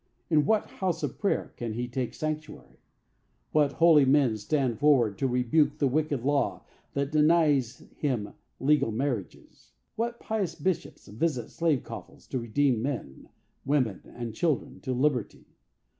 In what house of prayer can he take sanctuary? What holy men stand forward to rebuke the wicked law that denies him legal marriages? What pious bishops visit slave coffles to redeem men, women and children, to liberty?